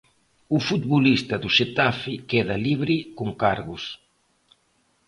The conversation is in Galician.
O futbolista do Xetafe queda libre con cargos.